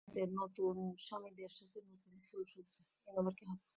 প্রতি রাতে নতুন স্বামীদের সাথে নতুন ফুলসজ্জা।